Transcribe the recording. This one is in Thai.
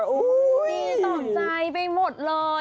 ดีต่อใจไปหมดเลย